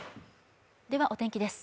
では、お天気です。